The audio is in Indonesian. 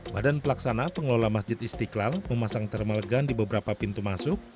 badan pelaksana pengelola masjid istiqlal memasang thermalegan di beberapa pintu masuk